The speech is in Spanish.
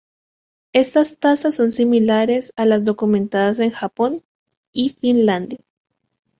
Estas tasas son similares a las documentadas en Japón y Finlandia.